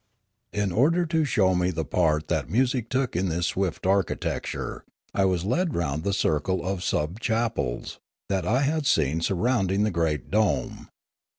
In order to show me the part that music took in this swift architecture, I was led round the circle of sub chapels, that I had seen surrounding the great dome.